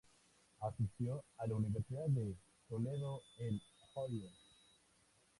Asistió a la Universidad de Toledo en Ohio.